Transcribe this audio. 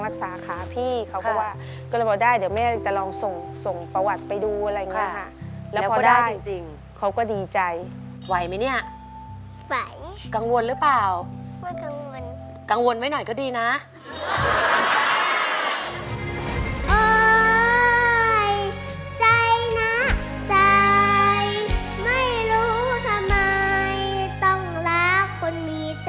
ไม่คิดเป็นตัวซ้ำเราแต่ขอจองเธอไว้ในใจ